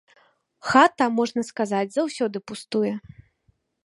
Хата, можна сказаць, заўсёды пустуе.